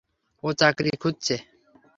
ও চাকরি খুঁজছে।